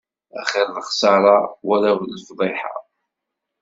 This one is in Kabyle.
Axiṛ lexsaṛa, wala lefḍiḥa.